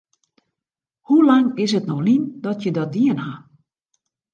Hoe lang is it no lyn dat je dat dien ha?